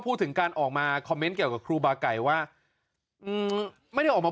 พูดถึงการออกมาคอมเมนต์เกี่ยวกับครูบาไก่ว่าอืมไม่ได้ออกมา